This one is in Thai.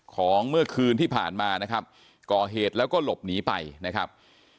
ของเมื่อคืนที่ผ่านมานะครับก่อเหตุแล้วก็หลบหนีไปนะครับ